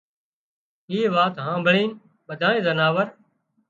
اي وات هانڀۯينَ ٻڌائي زناور